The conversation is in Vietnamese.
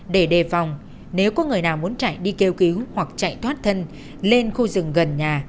để đề phòng nếu có người nào muốn chạy đi kêu cứu hoặc chạy thoát thân lên khu rừng gần nhà